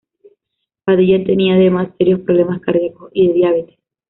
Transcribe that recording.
Padilla tenía, además, serios problemas cardiacos y de diabetes.